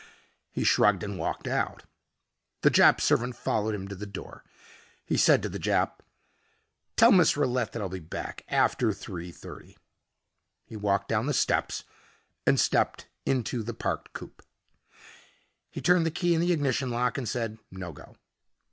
He shrugged and walked out. The Jap servant followed him to the door. He said to the Jap, "Tell Miss Rillette that I'll be back after three thirty." He walked down the steps and stepped into the parked coupe. He turned the key in the ignition lock and said, "No go."